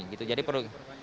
jadi tidak diperpanjang